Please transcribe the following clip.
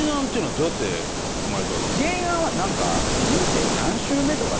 原案はなんか。